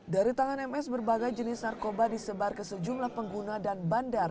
dari tangan ms berbagai jenis narkoba disebar ke sejumlah pengguna dan bandar